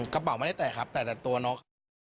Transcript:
กระเป๋าไม่ได้แตกครับแต่แต่ตัวนก